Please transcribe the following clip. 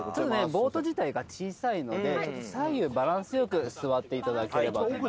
ボート自体が小さいので左右バランス良く座っていただければと思います。